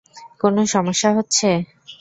কোন সমস্যা হচ্ছে?